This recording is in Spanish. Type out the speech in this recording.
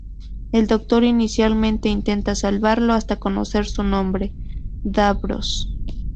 El Doctor inicialmente intenta salvarlo, hasta conocer su nombre: Davros.